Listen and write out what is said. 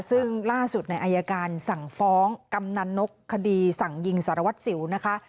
ซึ่งล่าสุดในอายการสั่งฟ้องกำนันนกคดีสั่งยิงสารวัตรสิวนะคะ